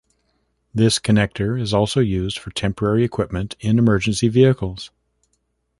This connector is also used for temporary equipment in emergency vehicles.